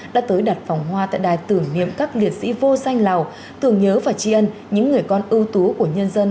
đã tới đặt vòng hoa tại đài tưởng niệm các liệt sĩ vô danh lào tưởng nhớ và tri ân những người con ưu tú của nhân dân